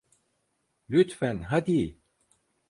Lütfen, hadi.